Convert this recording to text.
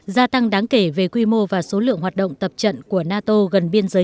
gia tăng đáng kể về quy mô và số lượng hoạt động tập trận của nato gần biên giới